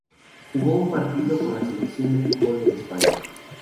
Jugó un partido con la selección de fútbol de España.